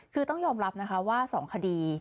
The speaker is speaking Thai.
คือต้องยอมรับนะคะว่า๒คดี